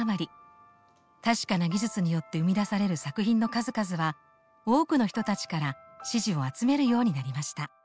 確かな技術によって生み出される作品の数々は多くの人たちから支持を集めるようになりました。